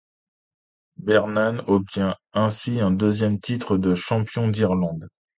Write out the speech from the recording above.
Brennan obtient ainsi un deuxième titre de champion d’Irlande.